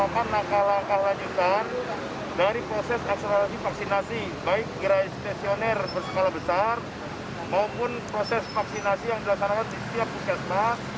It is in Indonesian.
maupun proses vaksinasi yang dilaksanakan di setiap bukit